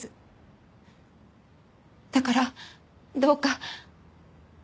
だからどうか。